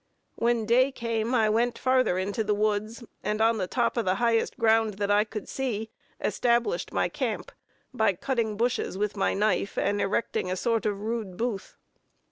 When day came, I went farther into the woods, and on the top of the highest ground that I could see, established my camp, by cutting bushes with my knife, and erecting a sort of rude booth.